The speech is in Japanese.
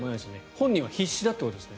本人は必死だということですね。